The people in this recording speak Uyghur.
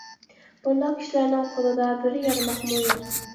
بۇنداق كىشىلەرنىڭ قولىدا بىر يارماقمۇ يوق.